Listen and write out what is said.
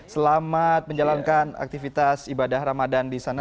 selamat menjalankan aktivitas ibadah ramadan di sana